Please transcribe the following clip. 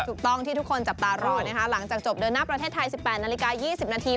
ถูกต้องที่ทุกคนจับตารอนะคะหลังจากจบเดินหน้าประเทศไทย๑๘นาฬิกา๒๐นาที